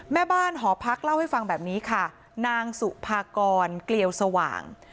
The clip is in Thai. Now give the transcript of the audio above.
แม่บ้านหอพักเล่าให้ฟังแบบนี้ค่ะนางสุภากรเกลียวสว่าง